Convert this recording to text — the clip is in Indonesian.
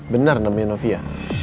benar namanya novia